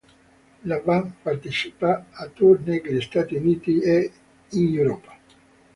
La band partecipa a tour negli Stati Uniti e in Europa.